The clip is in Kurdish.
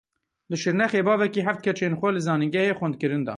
Li Şirnexê bavekî heft keçên xwe li zanîngehê xwendinkirin da.